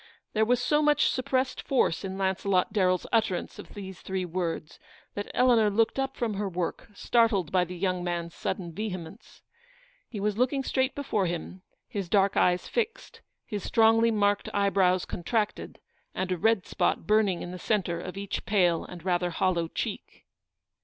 There was so much suppressed force in Launce lot Darren's utterance of these three words, that Eleanor looked up from her work, startled by the young man's sudden vehemence. He was looking straight before him, his dark eyes fixed, his strongly marked eyebrows con tracted, and a red spot burning in the centre of each pale and rather hollow cheek.